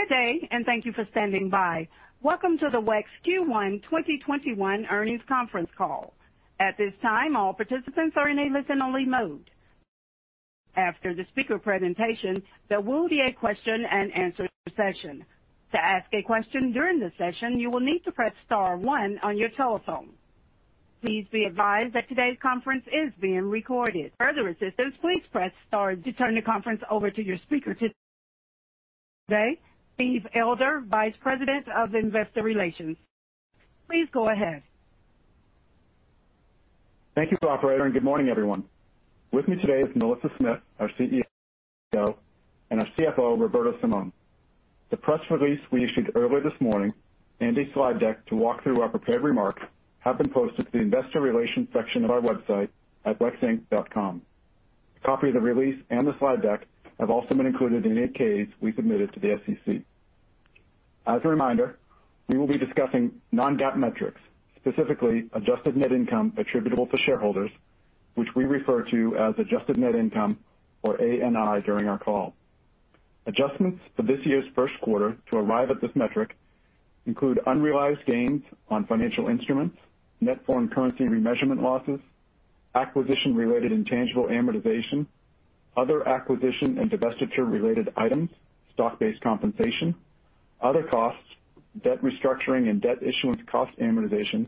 Good day, and thank you for standing by. Welcome to the WEX Q1 2021 earnings conference call. At this time, all participants are ina listen-only mode. After the speaker presentations, there will be a question-and-answer session. To ask a question during the session, you will need to press star one on your telephone. Please be advised that today's conference is being recorded. To turn the conference over to your speaker today, Steve Elder, Vice President of Investor Relations. Please go ahead. Thank you, operator, and good morning, everyone. With me today is Melissa Smith, our CEO, and our CFO, Roberto Simon. The press release we issued earlier this morning and a slide deck to walk through our prepared remarks have been posted to the investor relations section of our website at wexinc.com. A copy of the release and the slide deck have also been included in the 8-Ks we submitted to the SEC. As a reminder, we will be discussing non-GAAP metrics, specifically Adjusted Net Income attributable to shareholders, which we refer to as Adjusted Net Income or ANI during our call. Adjustments for this year's first quarter to arrive at this metric include unrealized gains on financial instruments, net foreign currency remeasurement losses, acquisition-related intangible amortization, other acquisition and divestiture-related items, stock-based compensation, other costs, debt restructuring and debt issuance cost amortization,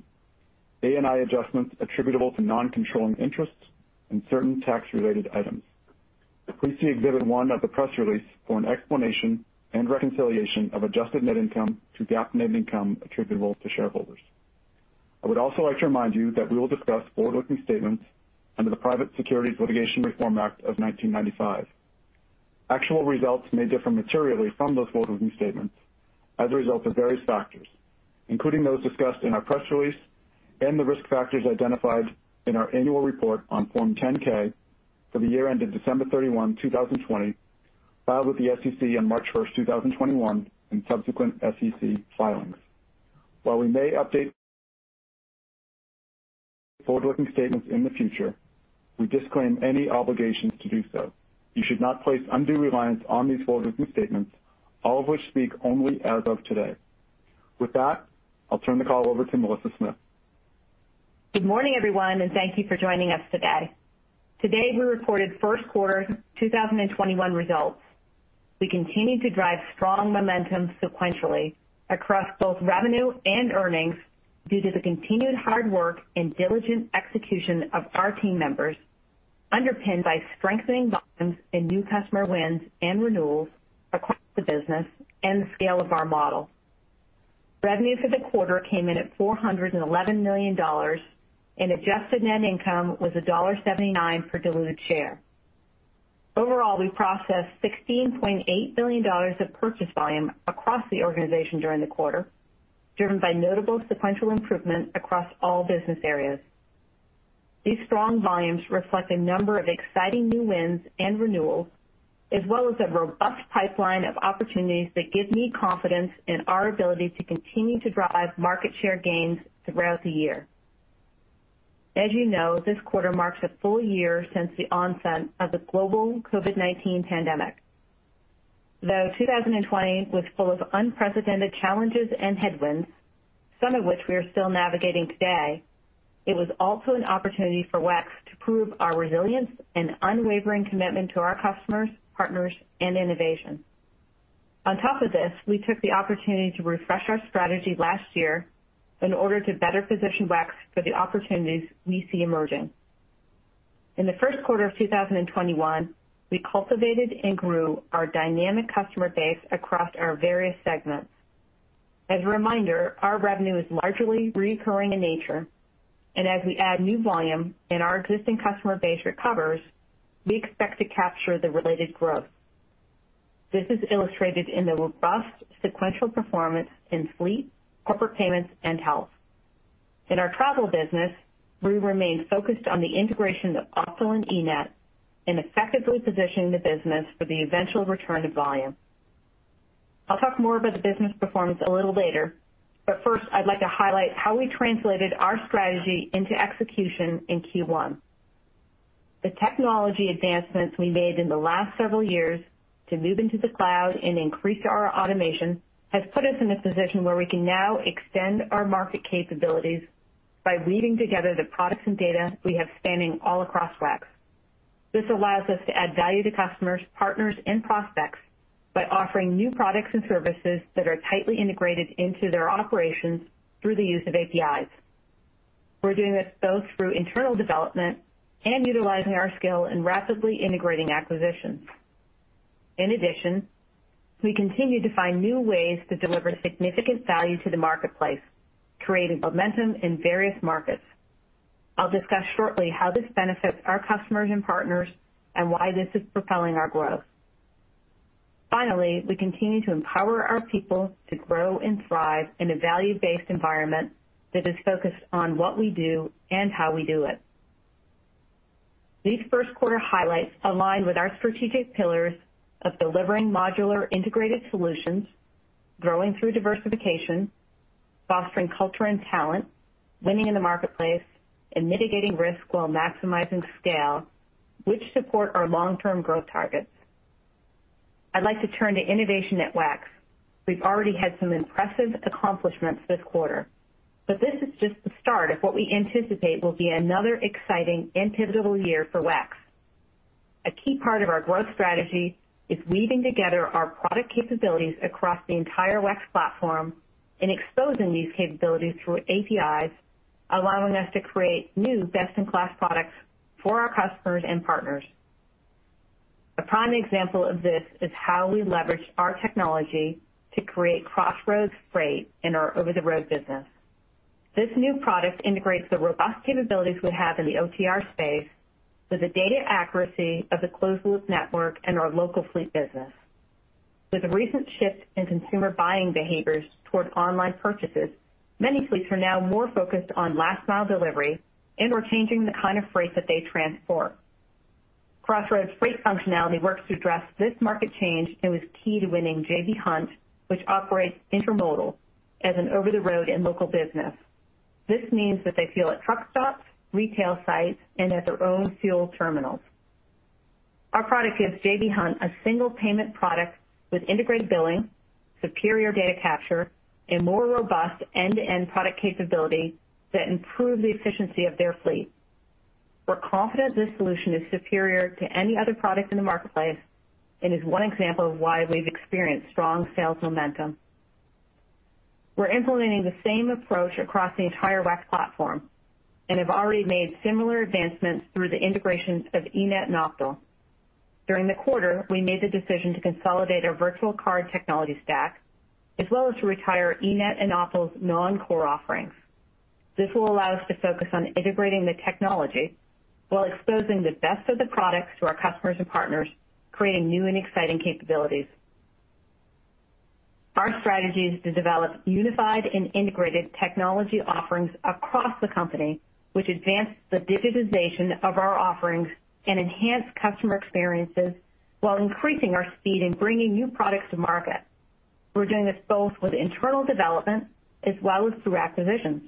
ANI adjustments attributable to non-controlling interests, and certain tax-related items. Please see Exhibit 1 of the press release for an explanation and reconciliation of adjusted net income to GAAP net income attributable to shareholders. I would also like to remind you that we will discuss forward-looking statements under the Private Securities Litigation Reform Act of 1995. Actual results may differ materially from those forward-looking statements as a result of various factors, including those discussed in our press release and the risk factors identified in our Annual Report on Form 10-K for the year ended December 31, 2020, filed with the SEC on March 1st, 2021, and subsequent SEC filings. While we may update forward-looking statements in the future, we disclaim any obligations to do so. You should not place undue reliance on these forward-looking statements, all of which speak only as of today. With that, I'll turn the call over to Melissa Smith. Good morning, everyone, and thank you for joining us today. Today, we reported first quarter 2021 results. We continue to drive strong momentum sequentially across both revenue and earnings due to the continued hard work and diligent execution of our team members, underpinned by strengthening volumes in new customer wins and renewals across the business and the scale of our model. Revenue for the quarter came in at $411 million, and Adjusted Net Income was $1.79 per diluted share. Overall, we processed $16.8 billion of purchase volume across the organization during the quarter, driven by notable sequential improvement across all business areas. These strong volumes reflect a number of exciting new wins and renewals, as well as a robust pipeline of opportunities that give me confidence in our ability to continue to drive market share gains throughout the year. As you know, this quarter marks a full year since the onset of the global COVID-19 pandemic. Though 2020 was full of unprecedented challenges and headwinds, some of which we are still navigating today, it was also an opportunity for WEX to prove our resilience and unwavering commitment to our customers, partners, and innovation. On top of this, we took the opportunity to refresh our strategy last year in order to better position WEX for the opportunities we see emerging. In the first quarter of 2021, we cultivated and grew our dynamic customer base across our various segments. As a reminder, our revenue is largely recurring in nature, and as we add new volume and our existing customer base recovers, we expect to capture the related growth. This is illustrated in the robust sequential performance in Fleet, Corporate Payments, and Health. In our Travel business, we remain focused on the integration of Optal and eNett and effectively positioning the business for the eventual return to volume. I'll talk more about the business performance a little later, but first, I'd like to highlight how we translated our strategy into execution in Q1. The technology advancements we made in the last several years to move into the cloud and increase our automation has put us in a position where we can now extend our market capabilities by weaving together the products and data we have spanning all across WEX. This allows us to add value to customers, partners, and prospects by offering new products and services that are tightly integrated into their operations through the use of APIs. We're doing this both through internal development and utilizing our skill in rapidly integrating acquisitions. In addition, we continue to find new ways to deliver significant value to the marketplace, creating momentum in various markets. I'll discuss shortly how this benefits our customers and partners and why this is propelling our growth. Finally, we continue to empower our people to grow and thrive in a value-based environment that is focused on what we do and how we do it. These first quarter highlights align with our strategic pillars of Delivering Modular Integrated Solutions, Growing Through Diversification, Fostering Culture and Talent, Winning in the Marketplace, and Mitigating Risk while Maximizing Scale, which support our long-term growth targets. I'd like to turn to innovation at WEX. This is just the start of what we anticipate will be another exciting and pivotal year for WEX. A key part of our growth strategy is weaving together our product capabilities across the entire WEX platform and exposing these capabilities through APIs, allowing us to create new best-in-class products for our customers and partners. A prime example of this is how we leverage our technology to create CrossRoads Freight in our Over-the-Road business. This new product integrates the robust capabilities we have in the OTR space with the data accuracy of the closed-loop network and our local fleet business. With the recent shift in consumer buying behaviors toward online purchases, many fleets are now more focused on last-mile delivery and/or changing the kind of freight that they transport. CrossRoads Freight functionality works to address this market change and was key to winning J.B. Hunt, which operates Intermodal as an over-the-road and local business. This means that they fuel at truck stops, retail sites, and at their own fuel terminals. Our product gives J.B. Hunt a single payment product with integrated billing, superior data capture, and more robust end-to-end product capability that improve the efficiency of their fleet. We're confident this solution is superior to any other product in the marketplace and is one example of why we've experienced strong sales momentum. We're implementing the same approach across the entire WEX platform and have already made similar advancements through the integrations of eNett and Optal. During the quarter, we made the decision to consolidate our virtual card technology stack, as well as to retire eNett and Optal's non-core offerings. This will allow us to focus on integrating the technology while exposing the best of the products to our customers and partners, creating new and exciting capabilities. Our strategy is to develop unified and integrated technology offerings across the company, which advance the digitization of our offerings and enhance customer experiences while increasing our speed in bringing new products to market. We're doing this both with internal development as well as through acquisitions.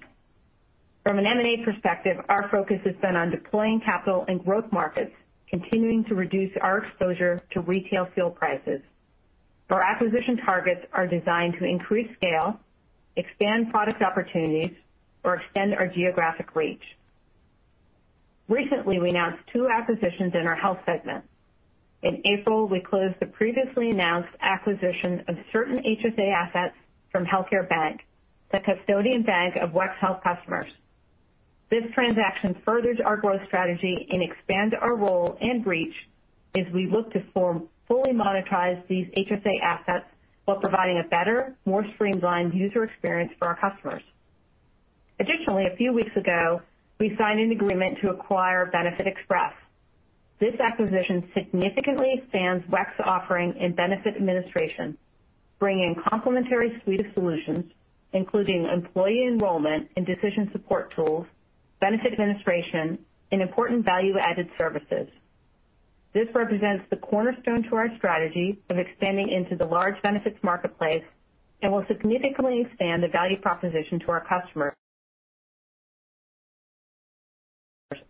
From an M&A perspective, our focus has been on deploying capital in growth markets, continuing to reduce our exposure to retail fuel prices. Our acquisition targets are designed to increase scale, expand product opportunities, or extend our geographic reach. Recently, we announced two acquisitions in our Health segment. In April, we closed the previously announced acquisition of certain HSA assets from HealthcareBank, the custodian bank of WEX Health customers. This transaction furthers our growth strategy and expand our role and reach as we look to fully monetize these HSA assets while providing a better, more streamlined user experience for our customers. Additionally, a few weeks ago, we signed an agreement to acquire benefitexpress. This acquisition significantly expands WEX offering in benefits administration, bringing a complementary suite of solutions, including employee enrollment and decision support tools, benefits administration, and important value-added services. This represents the cornerstone to our strategy of expanding into the large benefits marketplace and will significantly expand the value proposition to our customers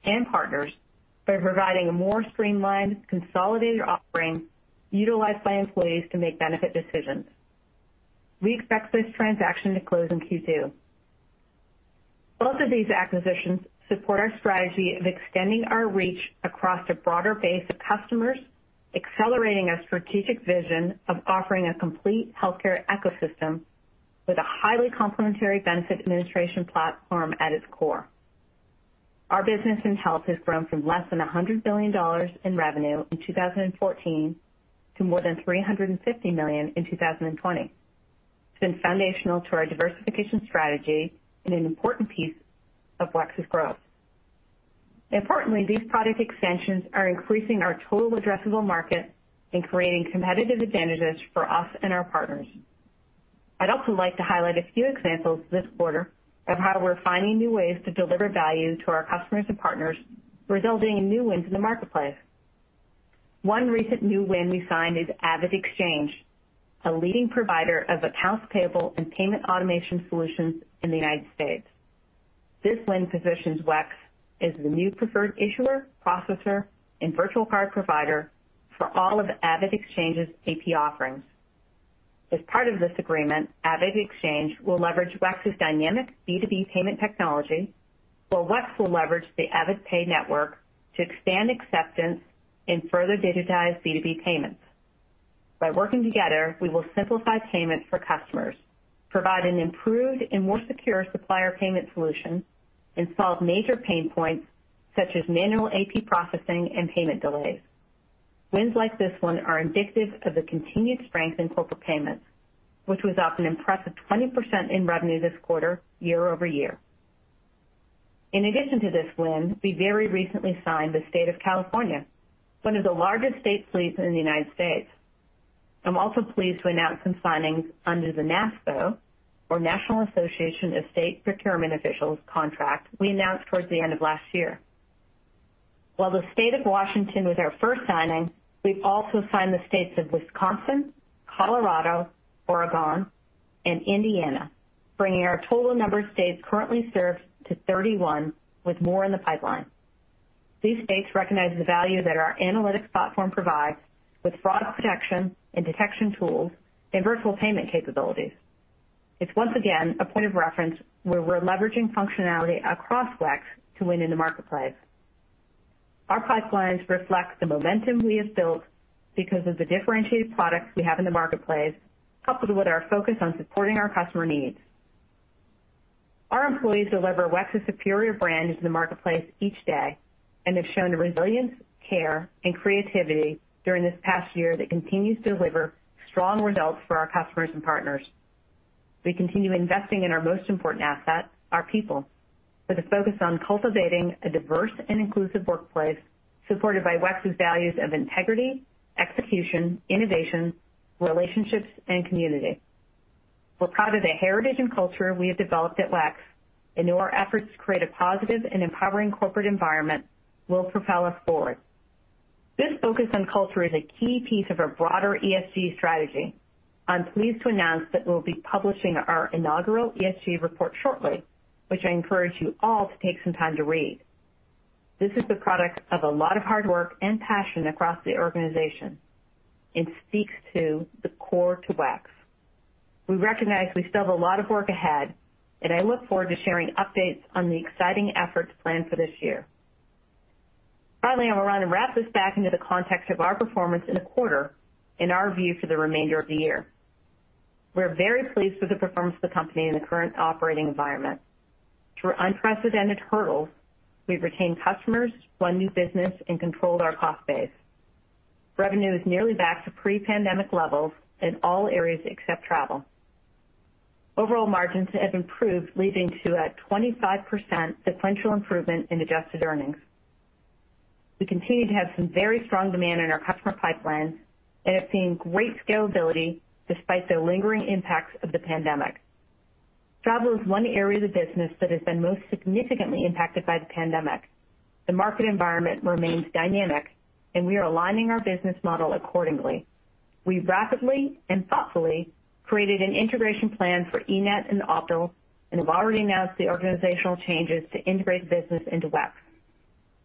and partners by providing a more streamlined, consolidated offering utilized by employees to make benefit decisions. We expect this transaction to close in Q2. Both of these acquisitions support our strategy of extending our reach across a broader base of customers, accelerating our strategic vision of offering a complete healthcare ecosystem with a highly complementary benefits administration platform at its core. Our business in Health has grown from less than $100 billion in revenue in 2014 to more than $350 million in 2020. It's been foundational to our diversification strategy and an important piece of WEX's growth. Importantly, these product extensions are increasing our total addressable market and creating competitive advantages for us and our partners. I'd also like to highlight a few examples this quarter of how we're finding new ways to deliver value to our customers and partners, resulting in new wins in the marketplace. One recent new win we signed is AvidXchange, a leading provider of accounts payable and payment automation solutions in the United States. This win positions WEX as the new preferred issuer, processor, and virtual card provider for all of AvidXchange's AP offerings. As part of this agreement, AvidXchange will leverage WEX's dynamic B2B payment technology, while WEX will leverage the AvidPay network to expand acceptance and further digitize B2B payments. By working together, we will simplify payment for customers, provide an improved and more secure supplier payment solution, and solve major pain points such as manual AP processing and payment delays. Wins like this one are indicative of the continued strength in Corporate Payments, which was up an impressive 20% in revenue this quarter year-over-year. In addition to this win, we very recently signed the State of California, one of the largest state fleets in the United States. I'm also pleased to announce some signings under the NASPO, or National Association of State Procurement Officials, contract we announced towards the end of last year. While the State of Washington was our first signing, we've also signed the states of Wisconsin, Colorado, Oregon, and Indiana, bringing our total number of states currently served to 31, with more in the pipeline. These states recognize the value that our analytics platform provides with fraud protection and detection tools and virtual payment capabilities. It's once again a point of reference where we're leveraging functionality across WEX to win in the marketplace. Our pipelines reflect the momentum we have built because of the differentiated products we have in the marketplace, coupled with our focus on supporting our customer needs. Our employees deliver WEX's superior brand into the marketplace each day and have shown resilience, care, and creativity during this past year that continues to deliver strong results for our customers and partners. We continue investing in our most important asset, our people, with a focus on cultivating a diverse and inclusive workplace supported by WEX's values of Integrity, Execution, Innovation, Relationships, and Community. We're proud of the heritage and culture we have developed at WEX, and know our efforts to create a positive and empowering corporate environment will propel us forward. This focus on culture is a key piece of our broader ESG strategy. I'm pleased to announce that we'll be publishing our inaugural ESG Report shortly, which I encourage you all to take some time to read. This is the product of a lot of hard work and passion across the organization and speaks to the core to WEX. We recognize we still have a lot of work ahead, and I look forward to sharing updates on the exciting efforts planned for this year. Finally, I want to wrap this back into the context of our performance in the quarter and our view for the remainder of the year. We're very pleased with the performance of the company in the current operating environment. Through unprecedented hurdles, we've retained customers, won new business, and controlled our cost base. Revenue is nearly back to pre-pandemic levels in all areas except Travel. Overall margins have improved, leading to a 25% sequential improvement in adjusted earnings. We continue to have some very strong demand in our customer pipelines and have seen great scalability despite the lingering impacts of the pandemic. Travel is one area of the business that has been most significantly impacted by the pandemic. The market environment remains dynamic, and we are aligning our business model accordingly. We rapidly and thoughtfully created an integration plan for eNett and Optal and have already announced the organizational changes to integrate the business into WEX.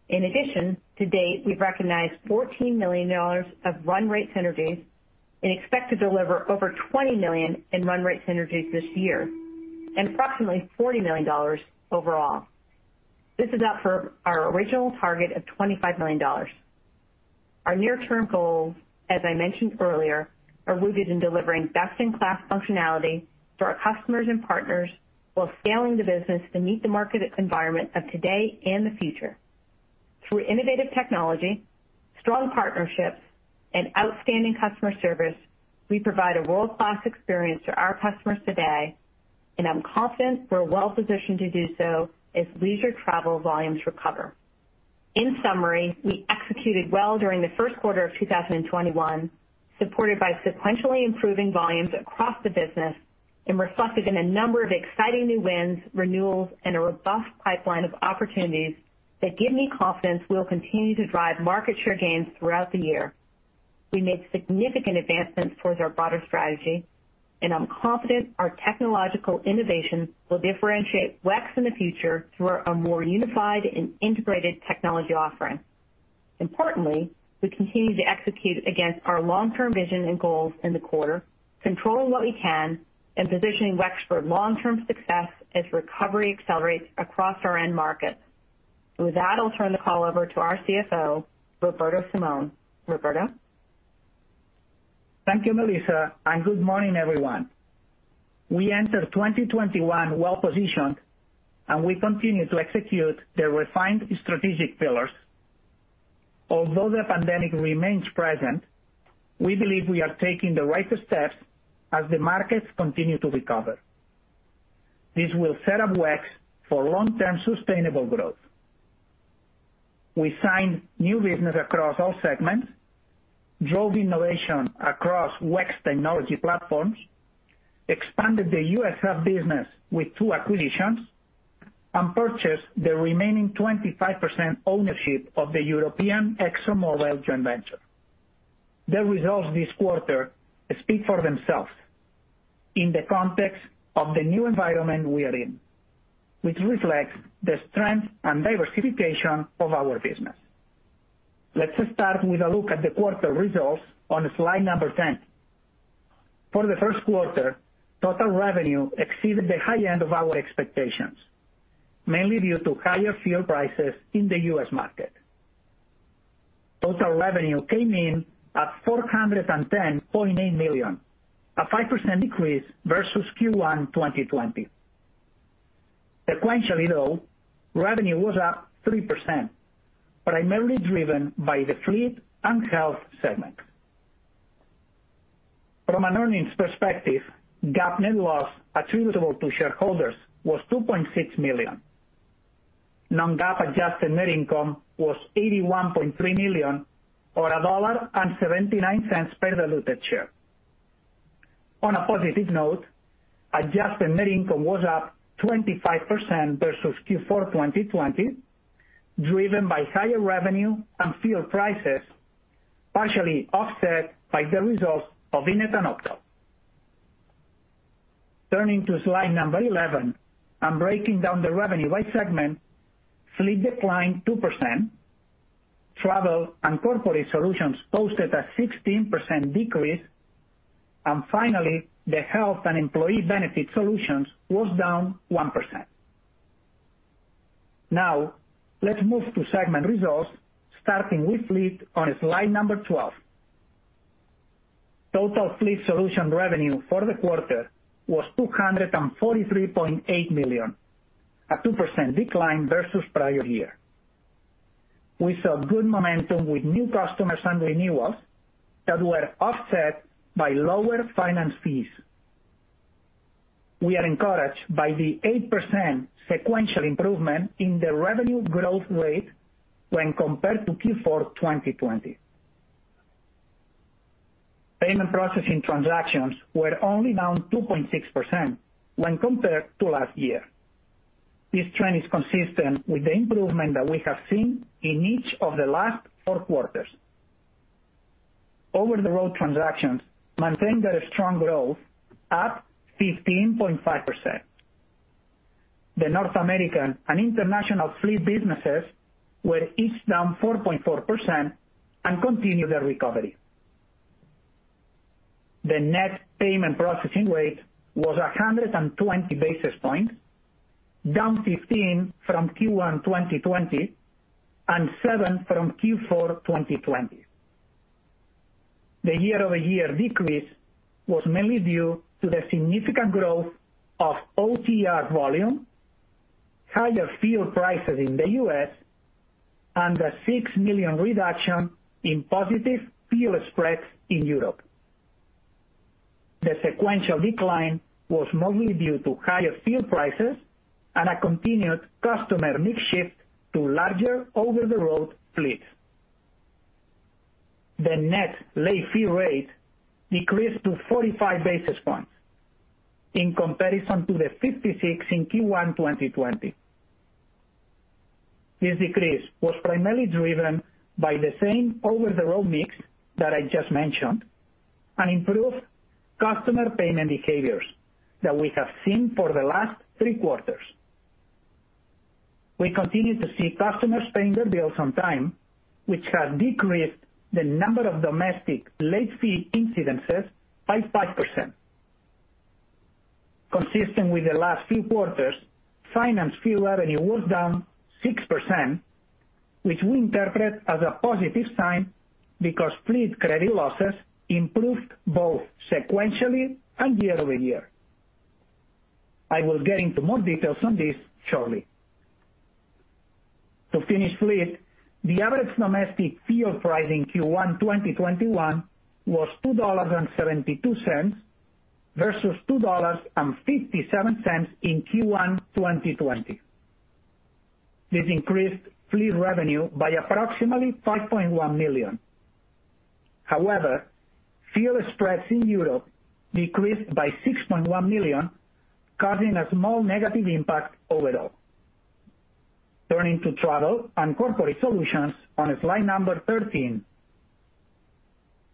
In addition, to date, we've recognized $14 million of run-rate synergies and expect to deliver over $20 million in run-rate synergies this year, and approximately $40 million overall. This is up from our original target of $25 million. Our near-term goals, as I mentioned earlier, are rooted in delivering best-in-class functionality for our customers and partners while scaling the business to meet the market environment of today and the future. Through innovative technology, strong partnerships, and outstanding customer service, we provide a world-class experience to our customers today, and I'm confident we're well-positioned to do so as leisure travel volumes recover. In summary, we executed well during the first quarter of 2021, supported by sequentially improving volumes across the business and reflected in a number of exciting new wins, renewals, and a robust pipeline of opportunities that give me confidence we'll continue to drive market share gains throughout the year. We made significant advancements towards our broader strategy, and I'm confident our technological innovations will differentiate WEX in the future through a more unified and integrated technology offering. Importantly, we continue to execute against our long-term vision and goals in the quarter, controlling what we can and positioning WEX for long-term success as recovery accelerates across our end markets. With that, I'll turn the call over to our CFO, Roberto Simon. Roberto? Thank you, Melissa. Good morning, everyone. We entered 2021 well-positioned, and we continue to execute the refined strategic pillars. Although the pandemic remains present, we believe we are taking the right steps as the markets continue to recover. This will set up WEX for long-term sustainable growth. We signed new business across all segments, drove innovation across WEX technology platforms, expanded the U.S. Health business with two acquisitions, and purchased the remaining 25% ownership of the European ExxonMobil joint venture. The results this quarter speak for themselves in the context of the new environment we are in, which reflects the strength and diversification of our business. Let's start with a look at the quarter results on slide number 10. For the first quarter, total revenue exceeded the high end of our expectations, mainly due to higher fuel prices in the U.S. market. Total revenue came in at $410.8 million, a 5% increase versus Q1 2020. Sequentially, though, revenue was up 3%, primarily driven by the Fleet and Health segment. From an earnings perspective, GAAP net loss attributable to shareholders was $2.6 million. Non-GAAP Adjusted Net Income was $81.3 million or $1.79 per diluted share. On a positive note, Adjusted Net Income was up 25% versus Q4 2020, driven by higher revenue and fuel prices, partially offset by the results of eNett and Optal. Turning to slide number 11 and breaking down the revenue by segment, Fleet declined 2%. Travel and Corporate Solutions posted a 16% decrease. Finally, the Health and Employee Benefit Solutions was down 1%. Now let's move to segment results, starting with Fleet on slide number 12. Total Fleet Solutions revenue for the quarter was $243.8 million, a 2% decline versus prior year. We saw good momentum with new customers and renewals that were offset by lower finance fees. We are encouraged by the 8% sequential improvement in the revenue growth rate when compared to Q4 2020. Payment processing transactions were only down 2.6% when compared to last year. This trend is consistent with the improvement that we have seen in each of the last four quarters. Over-the-Road transactions maintained their strong growth, up 15.5%. The North American and international Fleet businesses were each down 4.4% and continue their recovery. The net payment processing rate was 120 basis points, down 15 basis points from Q1 2020 and 7 basis points from Q4 2020. The year-over-year decrease was mainly due to the significant growth of OTR volume, higher fuel prices in the U.S., and a $6 million reduction in positive fuel spreads in Europe. The sequential decline was mostly due to higher fuel prices and a continued customer mix shift to larger Over-the-Road fleets. The net late fee rate decreased to 45 basis points in comparison to the 56 basis points in Q1 2020. This decrease was primarily driven by the same Over-the-Road mix that I just mentioned and improved customer payment behaviors that we have seen for the last three quarters. We continue to see customers paying their bills on time, which has decreased the number of domestic late fee incidences by 5%. Consistent with the last few quarters, finance fee revenue was down 6%, which we interpret as a positive sign because Fleet credit losses improved both sequentially and year-over-year. I will get into more details on this shortly. To finish Fleet, the average domestic fuel price in Q1 2021 was $2.72 versus $2.57 in Q1 2020. This increased Fleet revenue by approximately $5.1 million. However, fuel spreads in Europe decreased by $6.1 million, causing a small negative impact overall. Turning to Travel and Corporate Solutions on slide number 13.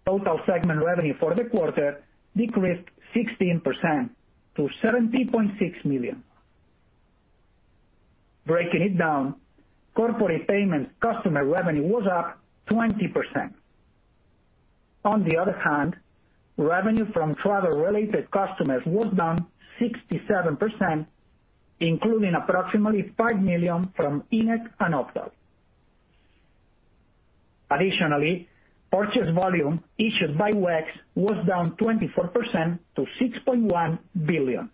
Total segment revenue for the quarter decreased 16% to $70.6 million. Breaking it down, Corporate Payments customer revenue was up 20%. On the other hand, revenue from Travel-related customers was down 67%, including approximately $5 million from eNett and Optal. Additionally, purchase volume issued by WEX was down 24% to $6.1 billion.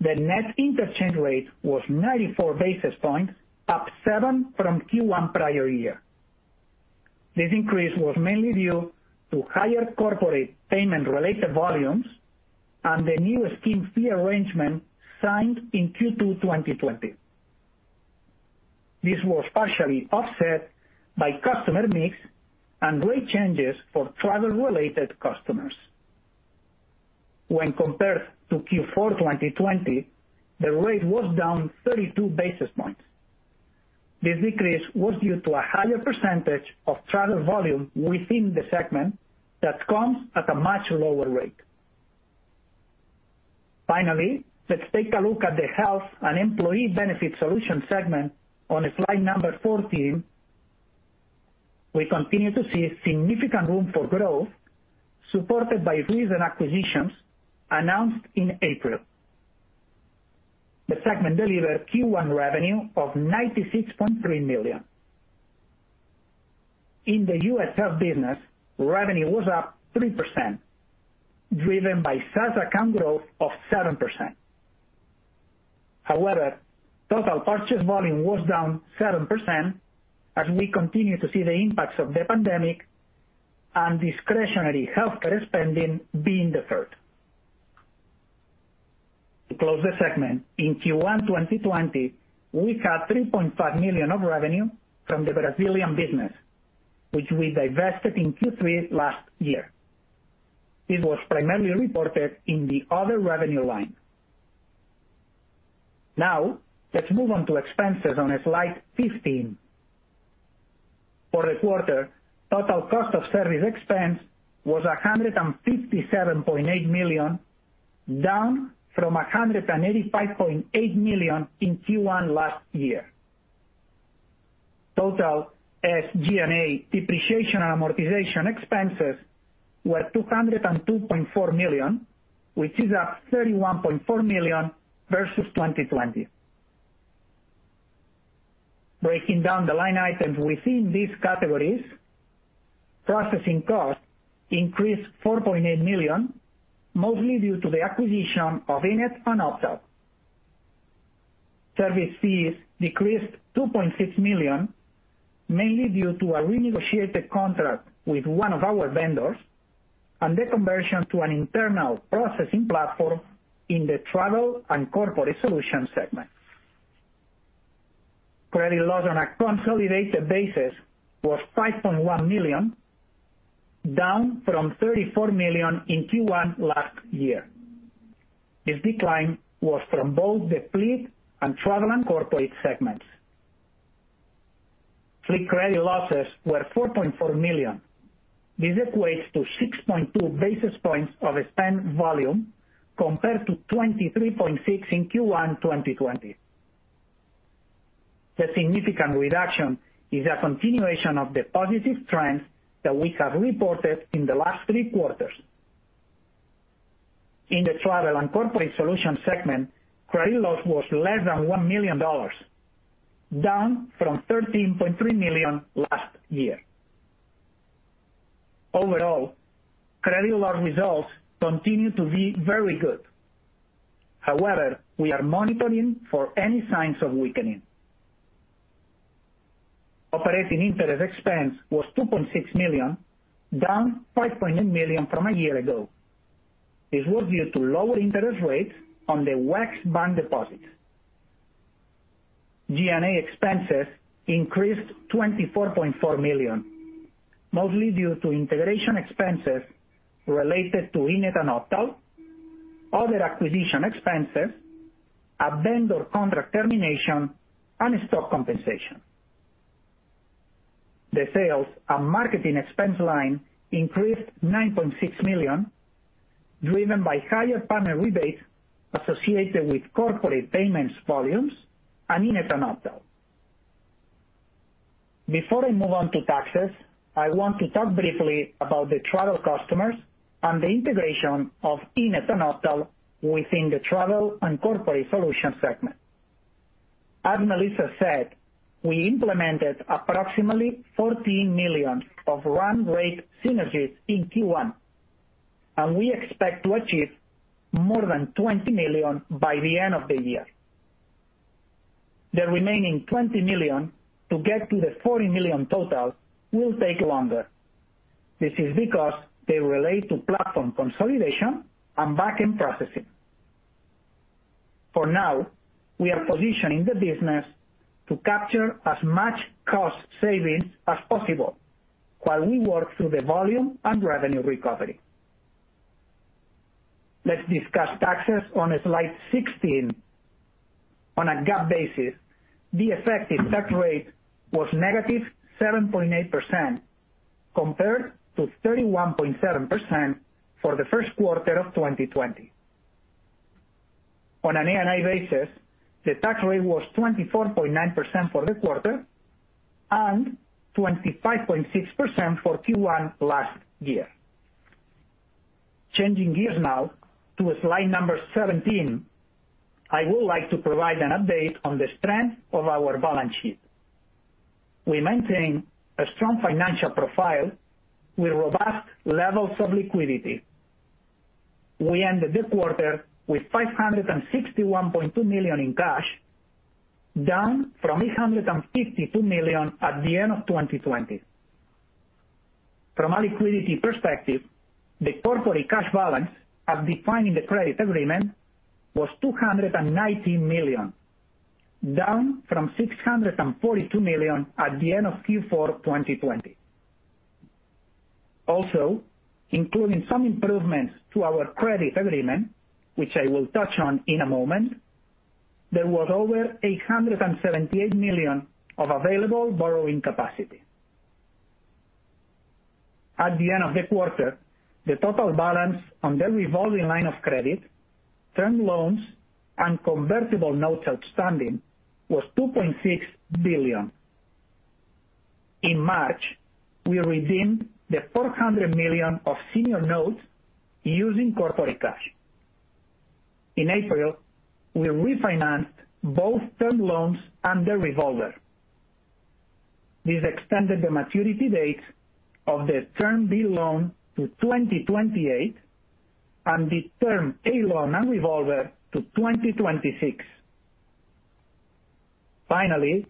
The net interchange rate was 94 basis points, up 7 basis points from Q1 prior year. This increase was mainly due to higher Corporate Payment-related volumes and the new scheme fee arrangement signed in Q2 2020. This was partially offset by customer mix and rate changes for Travel-related customers. When compared to Q4 2020, the rate was down 32 basis points. This decrease was due to a higher percentage of Travel volume within the segment that comes at a much lower rate. Finally, let's take a look at the Health and Employee Benefit Solutions segment on slide number 14. We continue to see significant room for growth supported by recent acquisitions announced in April. The segment delivered Q1 revenue of $96.3 million. In the U.S. Health business, revenue was up 3%, driven by SaaS account growth of 7%. However, total purchase volume was down 7% as we continue to see the impacts of the pandemic and discretionary healthcare spending being deferred. To close the segment, in Q1 2020, we had $3.5 million of revenue from the Brazilian business, which we divested in Q3 last year. This was primarily reported in the other revenue line. Now let's move on to expenses on slide 15. For the quarter, total cost of service expense was $157.8 million, down from $185.8 million in Q1 last year. Total SG&A depreciation and amortization expenses were $202.4 million, which is up $31.4 million versus 2020. Breaking down the line items within these categories, processing costs increased to $4.8 million, mostly due to the acquisition of eNett and Optal. Service fees decreased to $2.6 million, mainly due to a renegotiated contract with one of our vendors and the conversion to an internal processing platform in the Travel and Corporate Solutions segment. Credit loss on a consolidated basis was $5.1 million, down from $34 million in Q1 last year. This decline was from both the Fleet and Travel and Corporate segments. Fleet credit losses were $4.4 million. This equates to 6.2 basis points of spend volume, compared to 23.6 basis points in Q1 2020. The significant reduction is a continuation of the positive trends that we have reported in the last three quarters. In the Travel and Corporate Solutions segment, credit loss was less than $1 million, down from $13.3 million last year. Overall, credit loss results continue to be very good. However, we are monitoring for any signs of weakening. Operating interest expense was $2.6 million, down $5.8 million from a year ago. This was due to lower interest rates on the WEX bank deposits. G&A expenses increased to $24.4 million, mostly due to integration expenses related to eNett and Optal, other acquisition expenses, a vendor contract termination, and stock compensation. The sales and marketing expense line increased to $9.6 million, driven by higher partner rebates associated with Corporate Payments volumes and eNett and Optal. Before I move on to taxes, I want to talk briefly about the Travel customers and the integration of eNett and Optal within the Travel and Corporate Solutions segment. As Melissa said, we implemented approximately $14 million of run-rate synergies in Q1, and we expect to achieve more than $20 million by the end of the year. The remaining $20 million to get to the $40 million total will take longer. This is because they relate to platform consolidation and back-end processing. For now, we are positioning the business to capture as much cost savings as possible while we work through the volume and revenue recovery. Let's discuss taxes on slide 16. On a GAAP basis, the effective tax rate was -7.8%, compared to 31.7% for the first quarter of 2020. On an ANI basis, the tax rate was 24.9% for the quarter and 25.6% for Q1 last year. Changing gears now to slide number 17, I would like to provide an update on the strength of our balance sheet. We maintain a strong financial profile with robust levels of liquidity. We ended this quarter with $561.2 million in cash, down from $852 million at the end of 2020. From a liquidity perspective, the Corporate cash balance, as defined in the credit agreement, was $219 million, down from $642 million at the end of Q4 2020. Also, including some improvements to our credit agreement, which I will touch on in a moment, there was over $878 million of available borrowing capacity. At the end of the quarter, the total balance on the revolving line of credit, term loans, and convertible notes outstanding was $2.6 billion. In March, we redeemed the $400 million of senior notes using Corporate cash. In April, we refinanced both term loans and the revolver. This extended the maturity dates of the Term Loan B to 2028 and the Term Loan A and revolver to 2026. Finally,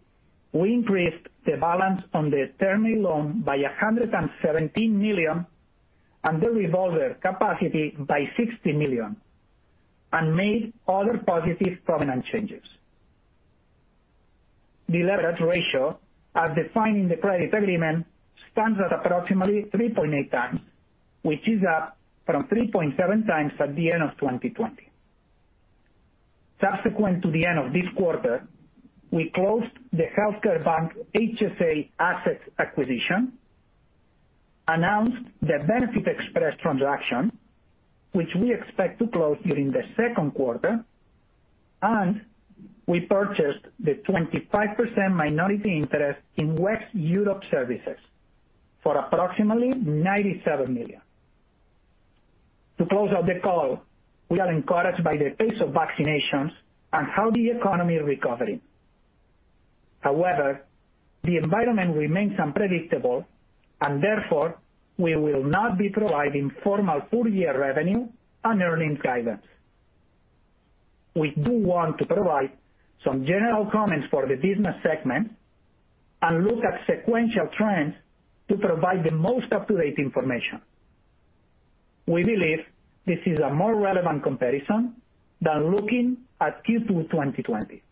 we increased the balance on the term loan by $117 million and the revolver capacity by $60 million and made other positive covenant changes. The leverage ratio, as defined in the credit agreement, stands at approximately 3.8x, which is up from 3.7x at the end of 2020. Subsequent to the end of this quarter, we closed the HealthcareBank HSA Assets acquisition, announced the benefitexpress transaction, which we expect to close during the second quarter, and we purchased the 25% minority interest in WEX Europe Services for approximately $97 million. To close out the call, we are encouraged by the pace of vaccinations and how the economy is recovering. The environment remains unpredictable, and therefore, we will not be providing formal full-year revenue and earnings guidance. We do want to provide some general comments for the business segment and look at sequential trends to provide the most up-to-date information. We believe this is a more relevant comparison than looking at Q2 2020.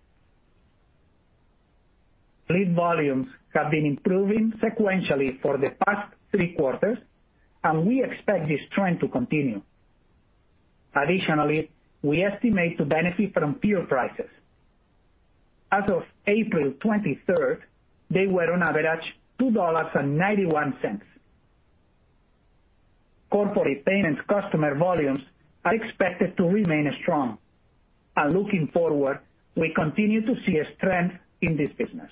Fleet volumes have been improving sequentially for the past three quarters. We expect this trend to continue. Additionally, we estimate to benefit from fuel prices. As of April 23rd, they were on average $2.91. Corporate Payments customer volumes are expected to remain strong. Looking forward, we continue to see a strength in this business.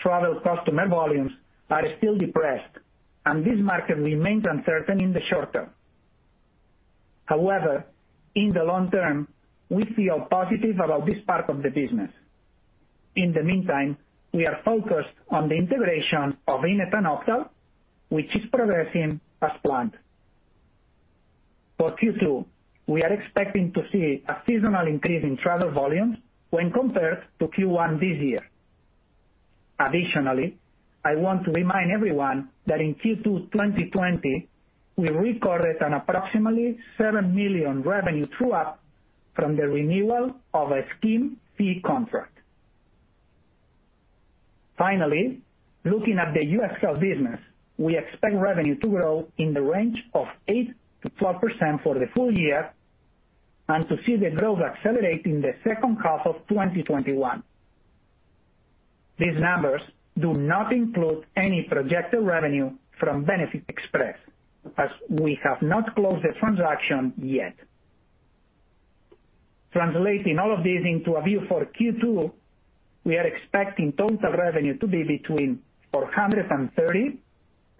Travel customer volumes are still depressed. This market remains uncertain in the short term. However, in the long term, we feel positive about this part of the business. In the meantime, we are focused on the integration of eNett and Optal, which is progressing as planned. For Q2, we are expecting to see a seasonal increase in Travel volumes when compared to Q1 this year. Additionally, I want to remind everyone that in Q2 2020, we recorded an approximately $7 million revenue true-up from the renewal of a scheme fee contract. Looking at the U.S. Health business, we expect revenue to grow in the range of 8%-12% for the full year and to see the growth accelerate in the second half of 2021. These numbers do not include any projected revenue from benefitexpress, as we have not closed the transaction yet. Translating all of this into a view for Q2, we are expecting total revenue to be between $430 million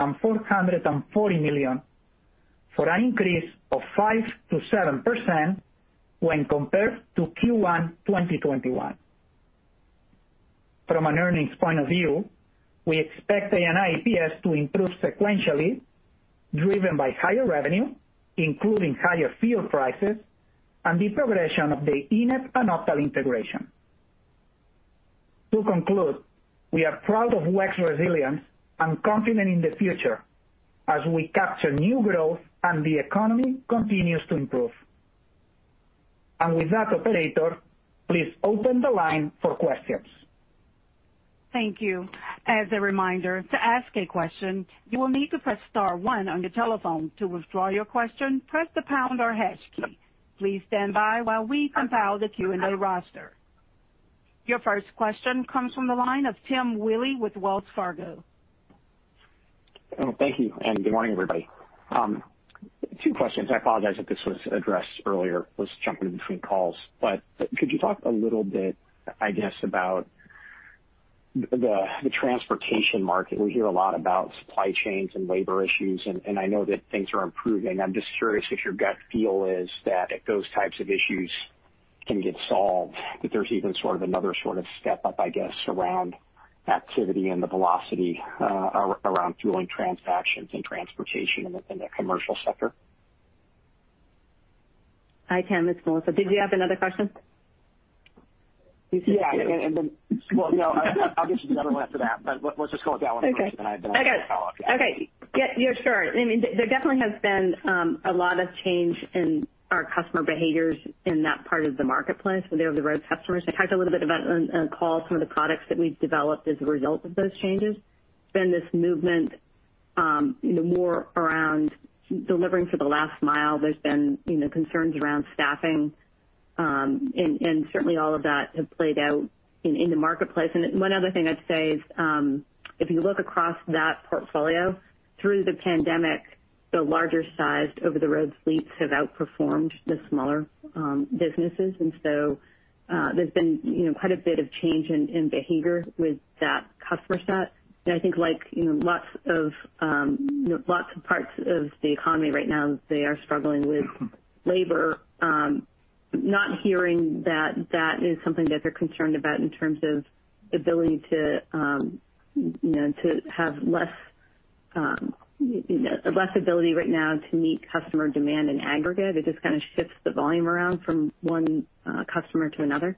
and $440 million, for an increase of 5%-7% when compared to Q1 2021. From an earnings point of view, we expect ANI EPS to improve sequentially, driven by higher revenue, including higher fuel prices, and the progression of the eNett and Optal integration. To conclude, we are proud of WEX resilience and confident in the future as we capture new growth and the economy continues to improve. With that, operator, please open the line for questions. Thank you. As a reminder, to ask a question, you will need to press star one on your telephone. To withdraw your question, press the pound or hash key. Please stand by while we compile the Q&A roster. Your first question comes from the line of Tim Willi with Wells Fargo. Thank you, good morning, everybody. Two questions. I apologize if this was addressed earlier. I was jumping in between calls. Could you talk a little bit, I guess, about the transportation market. We hear a lot about supply chains and labor issues. I know that things are improving. I'm just curious if your gut feel is that if those types of issues can get solved, that there's even another sort of step up, I guess, around activity and the velocity around fueling transactions and transportation in the commercial sector. Hi, Tim. It's Melissa. Did you have another question? Yeah. Well, no, I'll get to the other one after that. Let's just go with that one first. Okay. I have another follow-up. Okay. Yeah, sure. I mean, there definitely has been a lot of change in our customer behaviors in that part of the marketplace with the Over-the-Road customers. I talked a little bit about it on the call, some of the products that we've developed as a result of those changes. Been this movement more around delivering for the last mile. There's been concerns around staffing, and certainly all of that have played out in the marketplace. One other thing I'd say is, if you look across that portfolio through the pandemic, the larger-sized Over-the-Road fleets have outperformed the smaller businesses. There's been quite a bit of change in behavior with that customer set. I think lots of parts of the economy right now, they are struggling with labor. Not hearing that that is something that they're concerned about in terms of ability to have less ability right now to meet customer demand in aggregate. It just kind of shifts the volume around from one customer to another.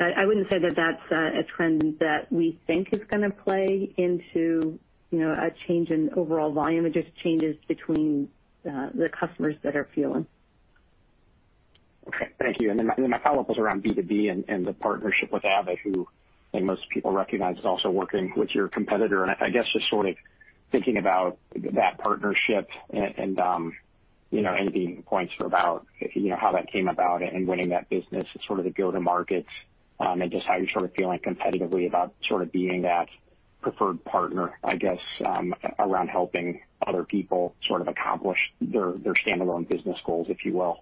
I wouldn't say that's a trend that we think is going to play into a change in overall volume. It just changes between the customers that are feeling. Okay. Thank you. My follow-up was around B2B and the partnership with Avid, who I think most people recognize is also working with your competitor. I guess just sort of thinking about that partnership and any points about how that came about and winning that business as sort of the go-to-market, and just how you're sort of feeling competitively about sort of being that preferred partner, I guess, around helping other people sort of accomplish their standalone business goals, if you will.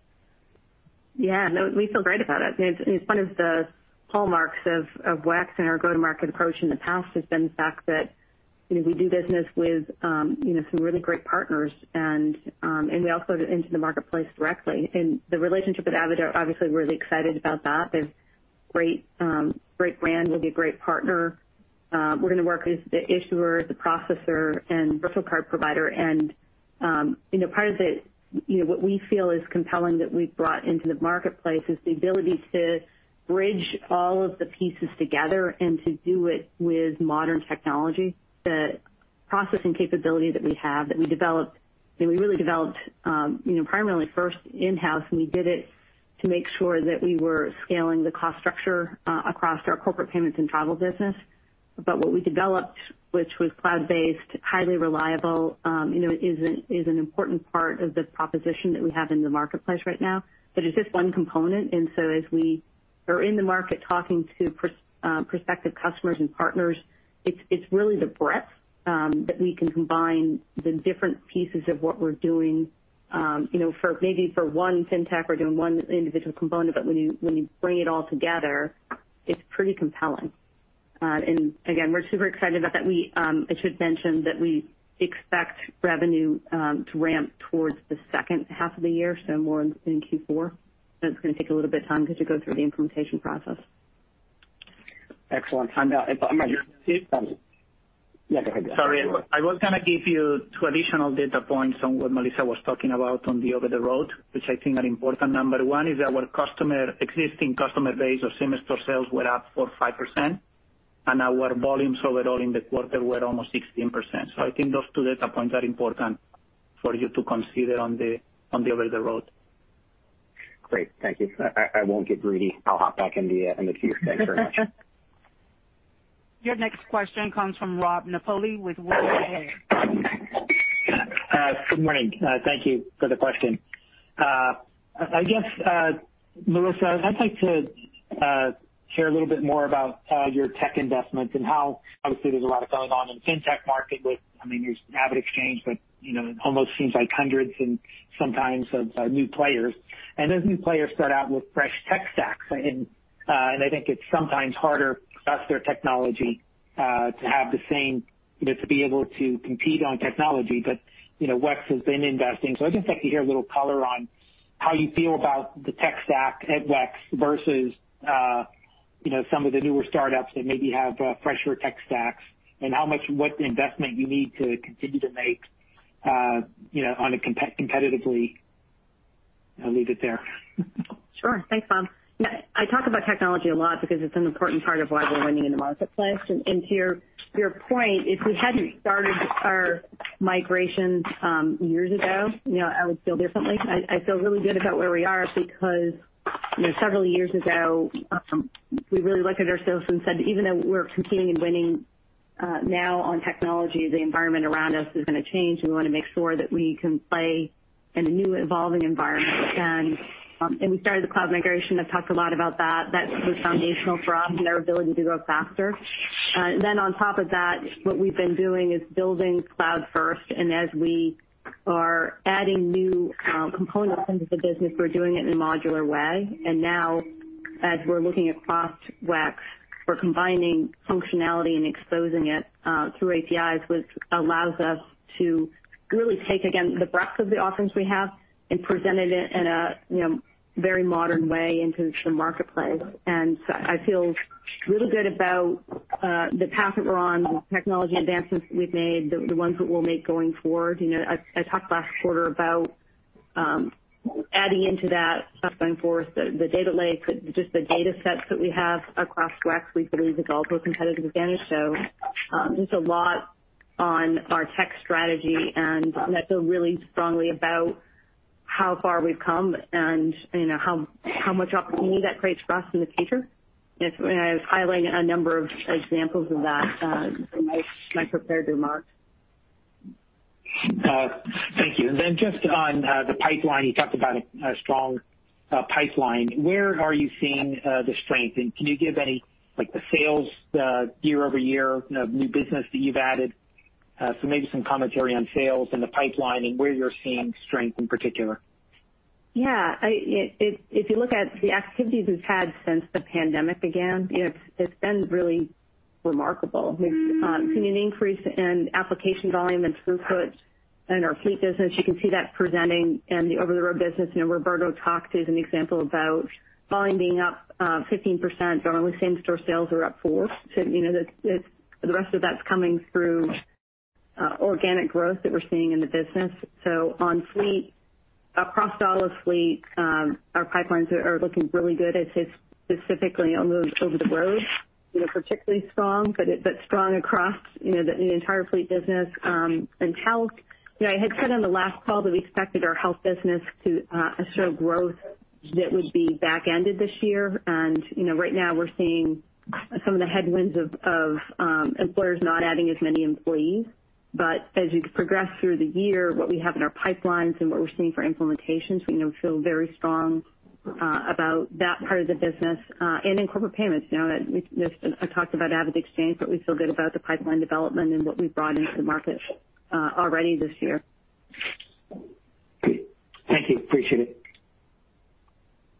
Yeah, no, we feel great about it. It's one of the hallmarks of WEX and our go-to-market approach in the past has been the fact that we do business with some really great partners, and we also go into the marketplace directly. The relationship with Avid, obviously we're really excited about that. They're a great brand, will be a great partner. We're going to work as the issuer, the processor, and virtual card provider. Part of what we feel is compelling that we've brought into the marketplace is the ability to bridge all of the pieces together and to do it with modern technology. The processing capability that we have, that we developed primarily first in-house, and we did it to make sure that we were scaling the cost structure across our Corporate Payments and Travel business. What we developed, which was cloud-based, highly reliable, is an important part of the proposition that we have in the marketplace right now. It's just one component. As we are in the market talking to prospective customers and partners, it's really the breadth that we can combine the different pieces of what we're doing maybe for one fintech, we're doing one individual component, but when you bring it all together, it's pretty compelling. Again, we're super excited about that. I should mention that we expect revenue to ramp towards the second half of the year, so more in Q4. It's going to take a little bit of time because you go through the implementation process. Excellent. I'm going to- Yeah, go ahead. Sorry. I was going to give you two additional data points on what Melissa was talking about on the Over-the-Road, which I think are important. Number one is our existing customer base of same-store sales were up 4%-5%, and our volumes overall in the quarter were almost 16%. I think those two data points are important for you to consider on the Over-the-Road. Great. Thank you. I won't get greedy. I'll hop back in the queue. Thanks very much. Your next question comes from Rob Napoli with William Blair. Good morning. Thank you for the question. I guess, Melissa, I'd like to hear a little bit more about your tech investments and how obviously there's a lot going on in the fintech market with, I mean, there's AvidXchange, but it almost seems like hundreds and sometimes of new players. Those new players start out with fresh tech stacks. I think it's sometimes harder for us, their technology to have the same, to be able to compete on technology. WEX has been investing. I'd just like to hear a little color on how you feel about the tech stack at WEX versus some of the newer startups that maybe have fresher tech stacks and what investment you need to continue to make on a competitively. I'll leave it there. Sure. Thanks, Rob. I talk about technology a lot because it's an important part of why we're winning in the marketplace. To your point, if we hadn't started our migrations years ago, I would feel differently. I feel really good about where we are because several years ago, we really looked at ourselves and said, even though we're competing and winning now on technology, the environment around us is going to change, and we want to make sure that we can play in a new evolving environment. We started the cloud migration. I've talked a lot about that. That was foundational for us and our ability to grow faster. On top of that, what we've been doing is building cloud first, and as we are adding new components into the business, we're doing it in a modular way. Now as we're looking across WEX, we're combining functionality and exposing it through APIs, which allows us to really take, again, the breadth of the offerings we have and present it in a very modern way into the marketplace. I feel really good about the path that we're on, the technology advances that we've made, the ones that we'll make going forward. I talked last quarter about adding into that platform for us the data lake, just the data sets that we have across WEX, we believe is also a competitive advantage. There's a lot on our tech strategy, and I feel really strongly about how far we've come and how much opportunity that creates for us in the future. I was highlighting a number of examples of that in my prepared remarks. Thank you. Just on the pipeline, you talked about a strong pipeline. Where are you seeing the strength, and can you give any sales year-over-year of new business that you've added? Maybe some commentary on sales and the pipeline and where you're seeing strength in particular. Yeah. If you look at the activities we've had since the pandemic began, it's been really remarkable. We've seen an increase in application volume and throughput. In our Fleet business, you can see that presenting in the Over-the-Road business. Roberto talked as an example about volume being up 15%, but only same-store sales are up 4%. The rest of that's coming through organic growth that we're seeing in the business. On Fleet, across all of Fleet, our pipelines are looking really good. I'd say specifically on those Over-the-Road, particularly strong, but strong across the entire Fleet business. In Health, I had said on the last call that we expected our Health business to show growth that would be back-ended this year. Right now we're seeing some of the headwinds of employers not adding as many employees. As you progress through the year, what we have in our pipelines and what we're seeing for implementations, we feel very strong about that part of the business. In Corporate Payments, I talked about AvidXchange, but we feel good about the pipeline development and what we've brought into the market already this year. Great. Thank you. Appreciate it.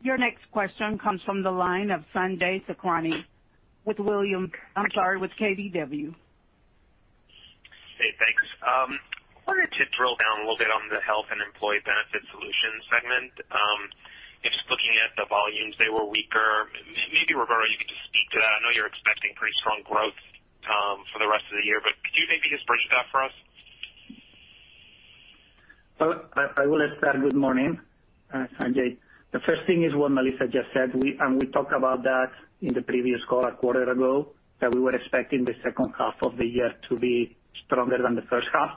Your next question comes from the line of Sanjay Sakhrani with I'm sorry, with KBW. Hey, thanks. I wanted to drill down a little bit on the Health and Employee Benefit Solutions segment. Just looking at the volumes, they were weaker. Maybe, Roberto, you could just speak to that? I know you're expecting pretty strong growth for the rest of the year, but could you maybe just bridge that for us? I will start. Good morning, Sanjay. The first thing is what Melissa just said, and we talked about that in the previous call a quarter ago, that we were expecting the second half of the year to be stronger than the first half.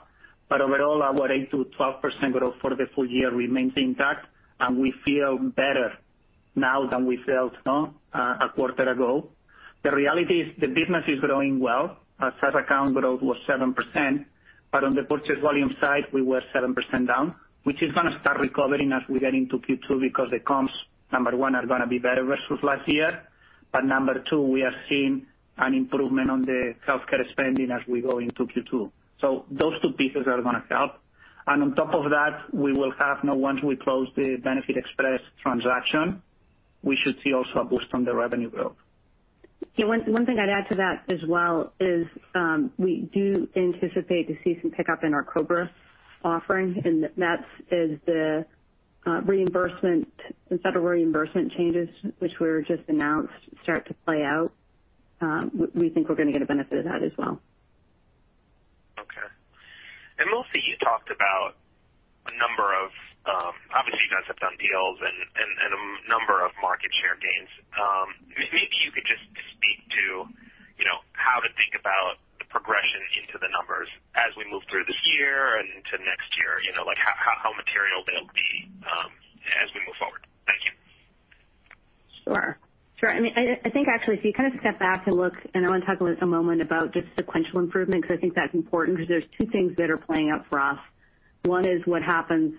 Overall, our 8%-12% growth for the full year remains intact, and we feel better now than we felt a quarter ago. The reality is the business is growing well. Our SaaS account growth was 7%, but on the purchase volume side, we were 7% down, which is going to start recovering as we get into Q2 because the comps, number one, are going to be better versus last year, number two, we are seeing an improvement on the healthcare spending as we go into Q2. So those two pieces are going to help. On top of that, we will have now, once we close the benefitexpress transaction, we should see also a boost on the revenue growth. One thing I'd add to that as well is, we do anticipate to see some pickup in our COBRA offering, and that is the reimbursement, the federal reimbursement changes which were just announced start to play out. We think we're going to get a benefit of that as well. Okay. Melissa, you talked about obviously you guys have done deals and a number of market share gains. Maybe you could just speak to how to think about the progression into the numbers as we move through this year and into next year. How material they'll be as we move forward. Thank you. Sure. I think actually, if you kind of step back and look, and I want to talk a moment about just sequential improvement, because I think that's important, because there's two things that are playing out for us. One is what happens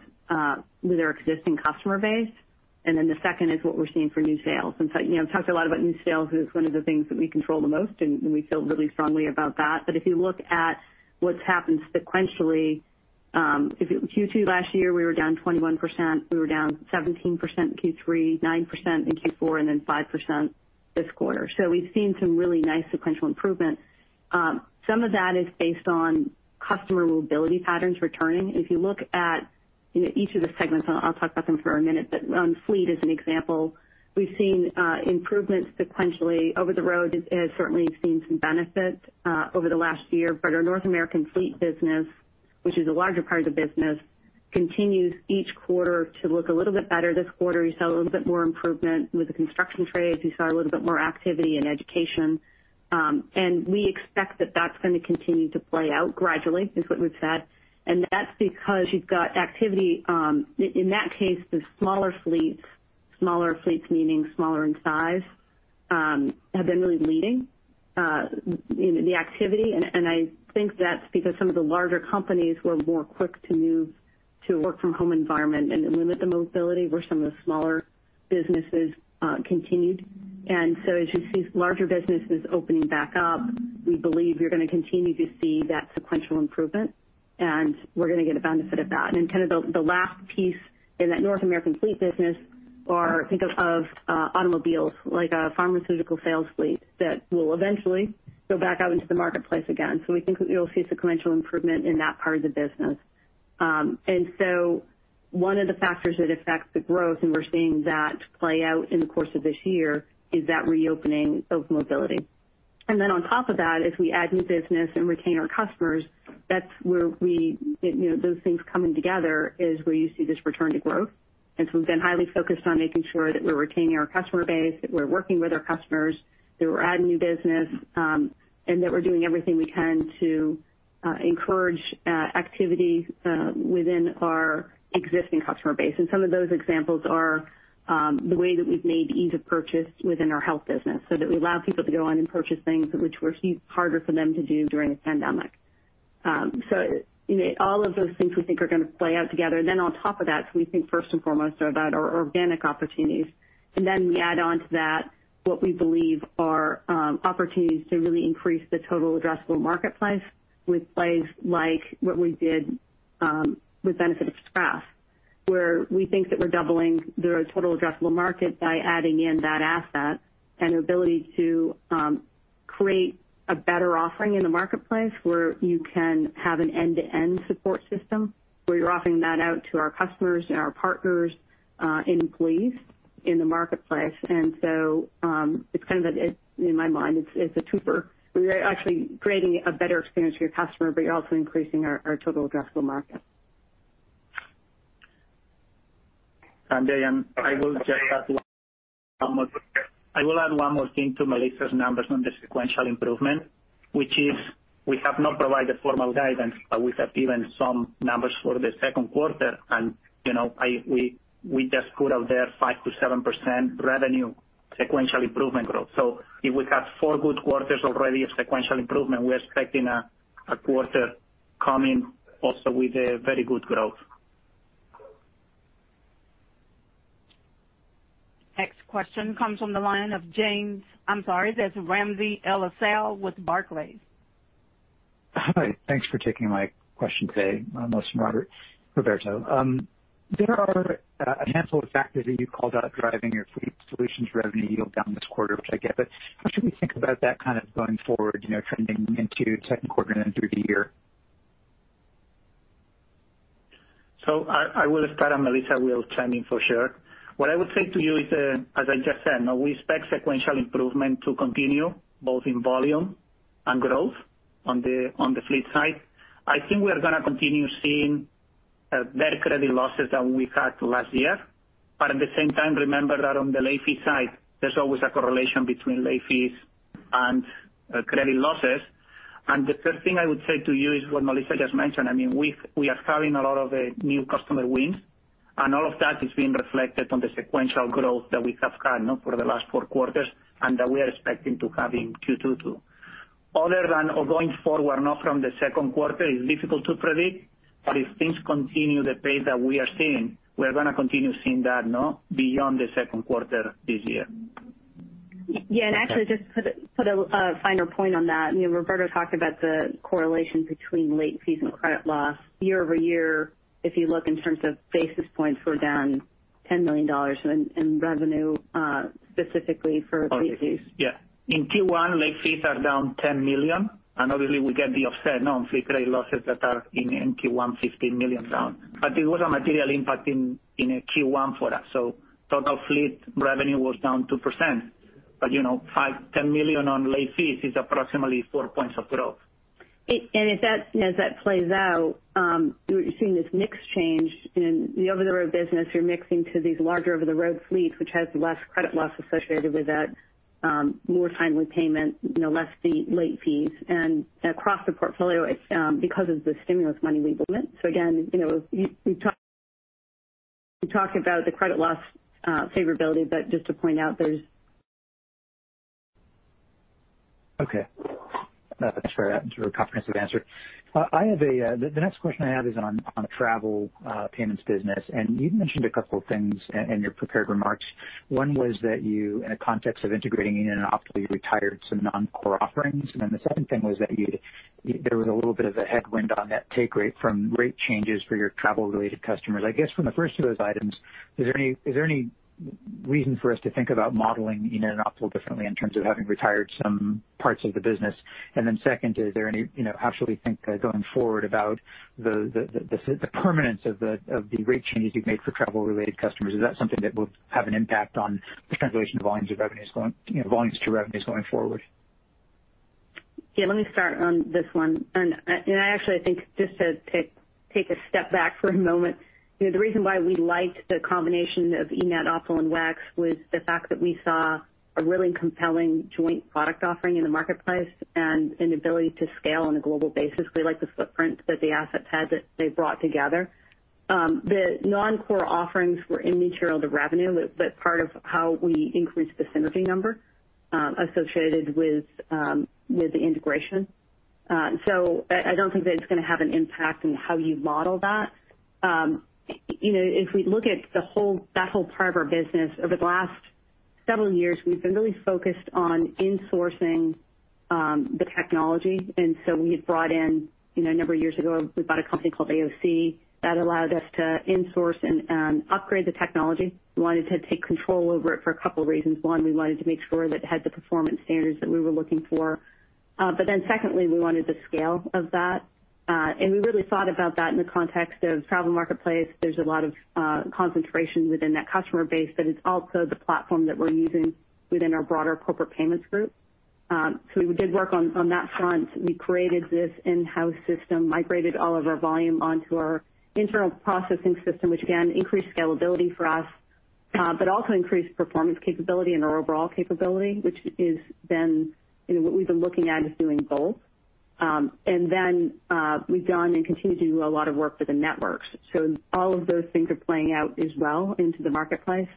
with our existing customer base, and then the second is what we're seeing for new sales. I've talked a lot about new sales as one of the things that we control the most, and we feel really strongly about that. If you look at what's happened sequentially, Q2 last year, we were down 21%, we were down 17% in Q3, 9% in Q4, and then 5% this quarter. We've seen some really nice sequential improvement. Some of that is based on customer mobility patterns returning. If you look at each of the segments, I'll talk about them for a minute, but on Fleet as an example, we've seen improvements sequentially. Over-the-Road has certainly seen some benefit over the last year. Our North American Fleet business, which is a larger part of the business, continues each quarter to look a little bit better. This quarter, you saw a little bit more improvement with the construction trades. You saw a little bit more activity in education. We expect that that's going to continue to play out gradually, is what we've said. That's because you've got activity, in that case, the smaller fleets, smaller fleets meaning smaller in size, have been really leading the activity. I think that's because some of the larger companies were more quick to move to a work from home environment and limit the mobility, where some of the smaller businesses continued. As you see larger businesses opening back up, we believe you're going to continue to see that sequential improvement, and we're going to get a benefit of that. Kind of the last piece in that North American Fleet business are, think of automobiles like a pharmaceutical sales fleet that will eventually go back out into the marketplace again. We think you'll see sequential improvement in that part of the business. One of the factors that affects the growth, and we're seeing that play out in the course of this year, is that reopening of mobility. Then on top of that, if we add new business and retain our customers, those things coming together is where you see this return to growth. We've been highly focused on making sure that we're retaining our customer base, that we're working with our customers, that we're adding new business, and that we're doing everything we can to encourage activity within our existing customer base. Some of those examples are the way that we've made ease of purchase within our Health business, so that we allow people to go on and purchase things which were harder for them to do during a pandemic. All of those things we think are going to play out together. On top of that, we think first and foremost about our organic opportunities. We add on to that what we believe are opportunities to really increase the total addressable marketplace with plays like what we did with benefitexpress. Where we think that we're doubling the total addressable market by adding in that asset and ability to create a better offering in the marketplace where you can have an end-to-end support system, where you're offering that out to our customers and our partners and employees in the marketplace. It's kind of, in my mind, it's a two-fer. We are actually creating a better experience for your customer, but you're also increasing our total addressable market. Sanjay, I will just add one more thing to Melissa's numbers on the sequential improvement, which is we have not provided formal guidance, but we have given some numbers for the second quarter, and we just put out there 5%-7% revenue sequential improvement growth. If we have four good quarters already of sequential improvement, we're expecting a quarter coming also with a very good growth. Next question comes from the line of I'm sorry, that's Ramsey El-Assal with Barclays. Hi. Thanks for taking my question today, Melissa and Roberto. There are a handful of factors that you called out driving your Fleet Solutions revenue yield down this quarter, which I get, but how should we think about that kind of going forward trending into second quarter and through the year? I will start, and Melissa will chime in for sure. What I would say to you is, as I just said, we expect sequential improvement to continue both in volume and growth on the Fleet side. I think we are going to continue seeing better credit losses than we had last year. At the same time, remember that on the late fee side, there's always a correlation between late fees and credit losses. The third thing I would say to you is what Melissa just mentioned. We are having a lot of new customer wins, all of that is being reflected on the sequential growth that we have had now for the last four quarters, and that we are expecting to have in Q2 too. Other than going forward now from the second quarter, it's difficult to predict. If things continue the pace that we are seeing, we are going to continue seeing that now beyond the second quarter this year. Yeah. Actually, just to put a finer point on that. Roberto talked about the correlation between late fees and credit loss year-over-year. If you look in terms of basis points, we're down $10 million in revenue, specifically for late fees. Yeah. In Q1, late fees are down $10 million, and obviously we get the offset now on Fleet credit losses that are in Q1, $15 million down. It was a material impact in Q1 for us. Total Fleet revenue was down 2%. $10 million on late fees is approximately 4 points of growth. As that plays out, you're seeing this mix change in the Over-the-Road business. You're mixing to these larger Over-the-Road fleets, which has less credit loss associated with that, more timely payment, less late fees. Across the portfolio, it's because of the stimulus money we've lent. Again, we talk about the credit loss favorability, but just to point out. Okay. That's fair. That's a comprehensive answer. The next question I have is on Travel, Payments business. You mentioned a couple of things in your prepared remarks. One was that you, in the context of integrating eNett, Optal, you retired some non-core offerings. The second thing was that there was a little bit of a headwind on that take rate from rate changes for your Travel-related customers. I guess from the first of those items, is there any reason for us to think about modeling eNett and Optal differently in terms of having retired some parts of the business? Second, how should we think going forward about the permanence of the rate changes you've made for Travel-related customers? Is that something that will have an impact on the translation volumes to revenues going forward? Yeah, let me start on this one. I actually think just to take a step back for a moment. The reason why we liked the combination of eNett, Optal, and WEX was the fact that we saw a really compelling joint product offering in the marketplace and an ability to scale on a global basis. We like the footprint that the assets had that they brought together. The non-core offerings were immaterial to revenue, but part of how we increased the synergy number associated with the integration. I don't think that it's going to have an impact on how you model that. If we look at that whole part of our business over the last several years, we've been really focused on insourcing the technology, and so we had brought in, a number of years ago, we bought a company called AOC that allowed us to insource and upgrade the technology. We wanted to take control over it for a couple of reasons. One, we wanted to make sure that it had the performance standards that we were looking for. Secondly, we wanted the scale of that. We really thought about that in the context of travel marketplace. There's a lot of concentration within that customer base, but it's also the platform that we're using within our broader Corporate Payments group. We did work on that front. We created this in-house system, migrated all of our volume onto our internal processing system, which again, increased scalability for us. Also increased performance capability and our overall capability, which is what we've been looking at is doing both. We've done and continue to do a lot of work with the networks. All of those things are playing out as well into the marketplace.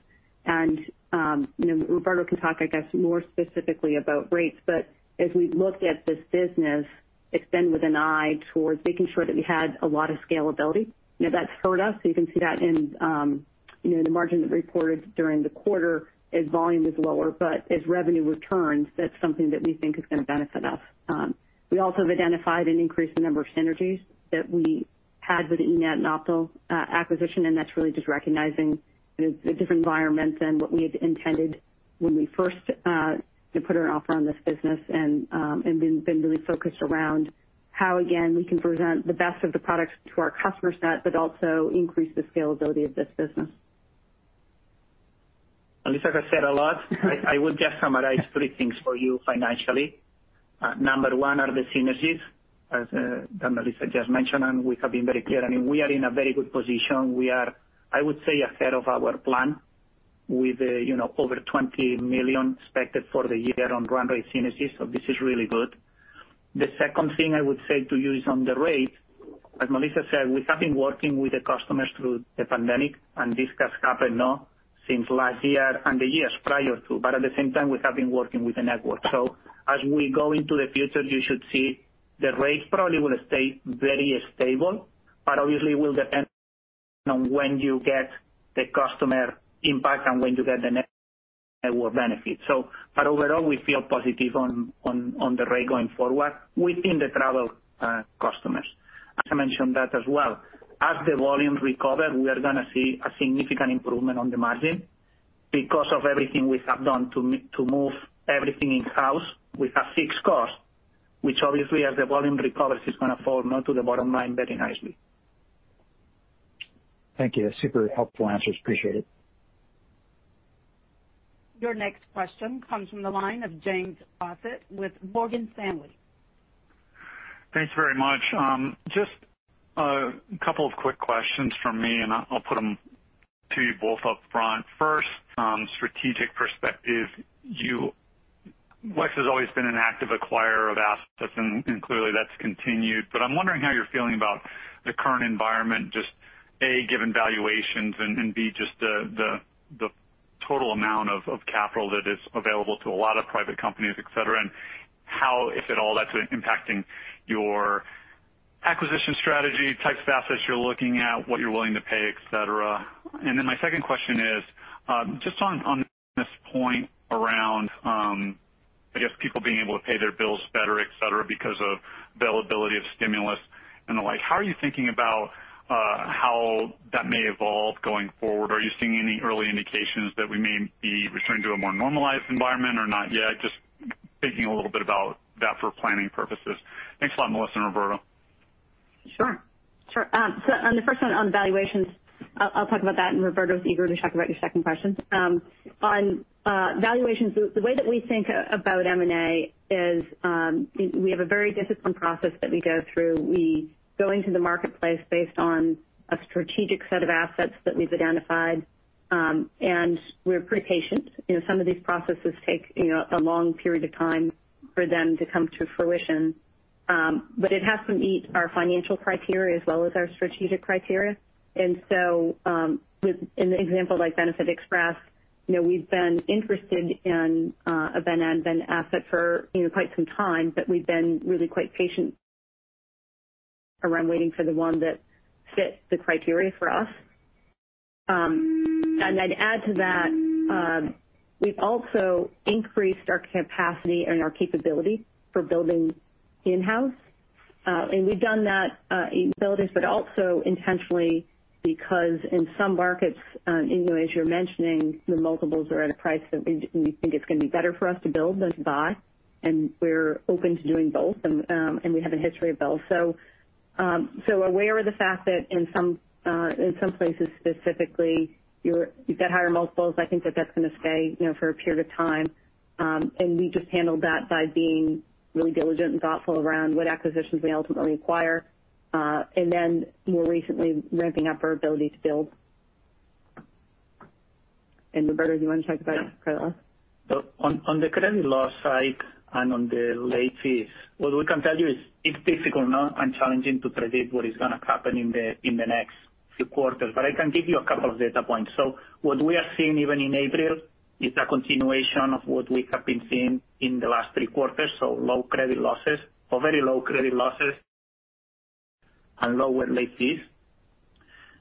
Roberto can talk, I guess, more specifically about rates, but as we looked at this business, it's been with an eye towards making sure that we had a lot of scalability. That's showed up, you can see that in the margin that reported during the quarter as volume is lower, but as revenue returns, that's something that we think is going to benefit us. We also have identified an increased number of synergies that we had with the eNett and Optal acquisition, and that's really just recognizing a different environment than what we had intended when we first put an offer on this business and been really focused around how, again, we can present the best of the products to our customer set, but also increase the scalability of this business. Melissa has said a lot. I would just summarize three things for you financially. Number one are the synergies, as Melissa just mentioned. We have been very clear. We are in a very good position. We are, I would say, ahead of our plan with over $20 million expected for the year on run-rate synergies, so this is really good. The second thing I would say to you is on the rate. As Melissa said, we have been working with the customers through the pandemic, and this has happened now since last year and the years prior too. At the same time, we have been working with the network. As we go into the future, you should see the rates probably will stay very stable, but obviously will depend on when you get the customer impact and when you get the network benefit. Overall, we feel positive on the rate going forward within the Travel customers. As I mentioned that as well, as the volume recovers, we are going to see a significant improvement on the margin because of everything we have done to move everything in-house with a fixed cost, which obviously as the volume recovers, is going to fall now to the bottom line very nicely. Thank you. Super helpful answers. Appreciate it. Your next question comes from the line of James Faucette with Morgan Stanley. Thanks very much. Just a couple of quick questions from me, and I'll put them to you both upfront. First, strategic perspective. WEX has always been an active acquirer of assets, and clearly that's continued. I'm wondering how you're feeling about the current environment, just, A, given valuations and, B, just the total amount of capital that is available to a lot of private companies, et cetera, and how, if at all, that's impacting your acquisition strategy, types of assets you're looking at, what you're willing to pay, et cetera. My second question is just on this point around I guess people being able to pay their bills better, et cetera, because of availability of stimulus and the like. How are you thinking about how that may evolve going forward? Are you seeing any early indications that we may be returning to a more normalized environment or not yet? Just thinking a little bit about that for planning purposes. Thanks a lot, Melissa and Roberto. Sure. On the first one on valuations, I'll talk about that, and Roberto's eager to talk about your second question. On valuations, the way that we think about M&A is we have a very disciplined process that we go through. We go into the marketplace based on a strategic set of assets that we've identified, and we're pretty patient. Some of these processes take a long period of time for them to come to fruition, but it has to meet our financial criteria as well as our strategic criteria. With an example like benefitexpress, we've been interested in a benefits administration asset for quite some time, but we've been really quite patient around waiting for the one that fits the criteria for us. I'd add to that, we've also increased our capacity and our capability for building in-house. We've done that in, but also intentionally because in some markets, as you're mentioning, the multiples are at a price that we think it's going to be better for us to build than to buy, and we're open to doing both, and we have a history of both. Aware of the fact that in some places specifically, you've got higher multiples. I think that that's going to stay for a period of time. We just handled that by being really diligent and thoughtful around what acquisitions we ultimately acquire. More recently, ramping up our ability to build. Roberto, do you want to talk about credit loss? On the credit loss side and on the late fees, what we can tell you is it's difficult now and challenging to predict what is going to happen in the next few quarters. I can give you a couple of data points. What we are seeing even in April is a continuation of what we have been seeing in the last three quarters, low credit losses or very low credit losses and lower late fees.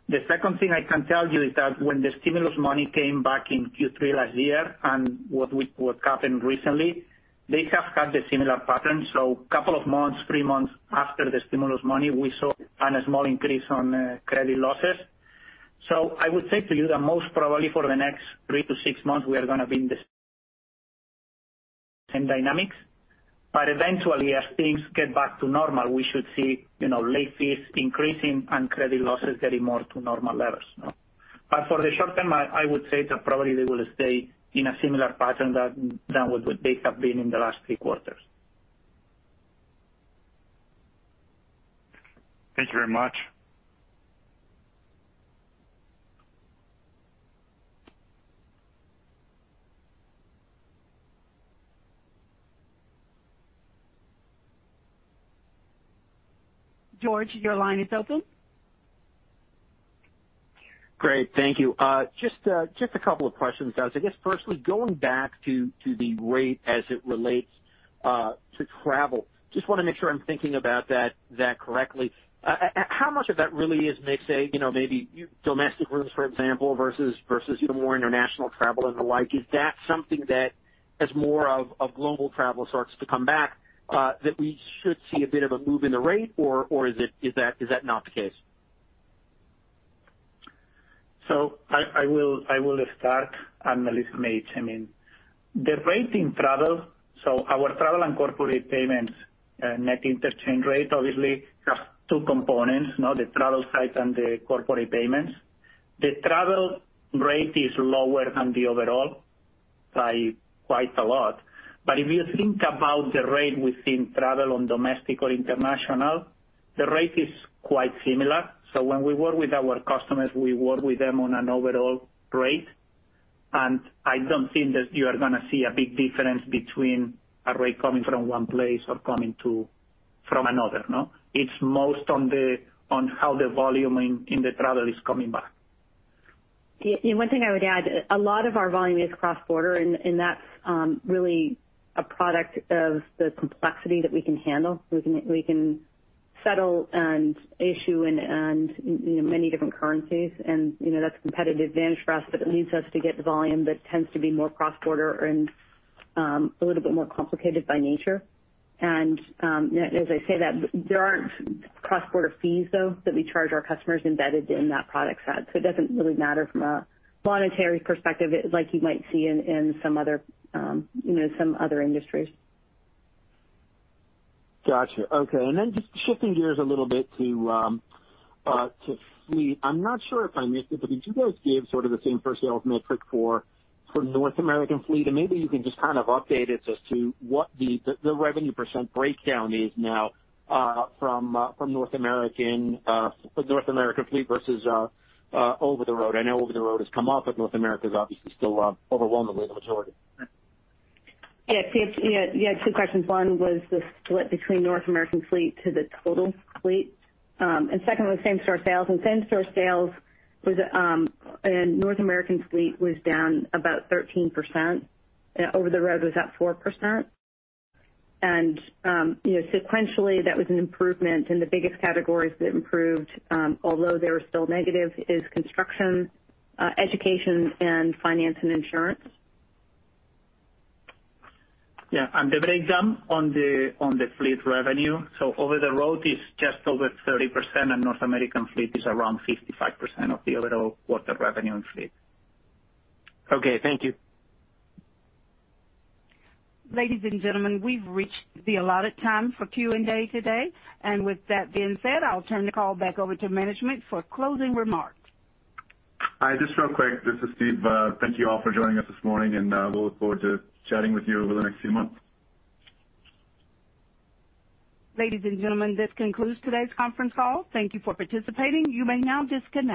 The second thing I can tell you is that when the stimulus money came back in Q3 last year and what happened recently, they have had the similar pattern. Couple of months, three months after the stimulus money, we saw a small increase on credit losses. I would say to you that most probably for the next three to six months, we are going to be in the same dynamics. Eventually, as things get back to normal, we should see late fees increasing and credit losses getting more to normal levels. For the short term, I would say that probably they will stay in a similar pattern than what they have been in the last three quarters. Thank you very much. George, your line is open. Great. Thank you. Just a couple of questions. I guess firstly, going back to the rate as it relates to Travel. Just want to make sure I'm thinking about that correctly. How much of that really is, maybe domestic rooms, for example, versus more international travel and the like? Is that something that, as more of a global travel starts to come back, that we should see a bit of a move in the rate or is that not the case? I will start and Melissa may chime in. The rate in Travel, our Travel and Corporate Payments net interchange rate obviously has two components. The Travel side and the Corporate Payments. The Travel rate is lower than the overall by quite a lot. If you think about the rate within travel on domestic or international, the rate is quite similar. When we work with our customers, we work with them on an overall rate, and I don't think that you are going to see a big difference between a rate coming from one place or coming from another. It's most on how the volume in the Travel is coming back. The one thing I would add, a lot of our volume is cross-border, and that's really a product of the complexity that we can handle. We can settle and issue in many different currencies, and that's a competitive advantage for us, but it means just to get the volume that tends to be more cross-border and a little bit more complicated by nature. As I say that, there aren't cross-border fees, though, that we charge our customers embedded in that product set. It doesn't really matter from a monetary perspective like you might see in some other industries. Got you. Okay. Just shifting gears a little bit to Fleet. I'm not sure if I missed it, but did you guys give sort of the same-store sales metric for North American Fleet? Maybe you can just kind of update it as to what the revenue percent breakdown is now from North American Fleet versus Over-the-Road. I know Over-the-Road has come up, but North America is obviously still overwhelmingly the majority. Yes. You had two questions. One was the split between North American Fleet to the total Fleet. Second was same-store sales. Same-store sales in North American Fleet was down about 13%, Over-the-Road was up 4%. Sequentially, that was an improvement in the biggest categories that improved, although they were still negative, is construction, education, and finance and insurance. Yeah. The breakdown on the Fleet revenue. Over-the-Road is just over 30%, and North American Fleet is around 55% of the overall quarter revenue in Fleet. Okay. Thank you. Ladies and gentlemen, we've reached the allotted time for Q&A today. With that being said, I'll turn the call back over to management for closing remarks. Hi, just real quick. This is Steve. Thank you all for joining us this morning, and we'll look forward to chatting with you over the next few months. Ladies and gentlemen, this concludes today's conference call. Thank you for participating. You may now disconnect.